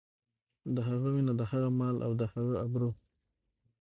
د هغه وينه، د هغه مال او د هغه ابرو.